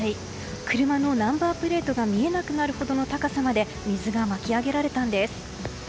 車のナンバープレートが見えなくなるほどの高さまで水が巻き上げられたんです。